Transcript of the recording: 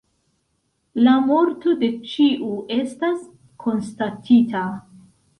La morto de ĉiu estas konstatita.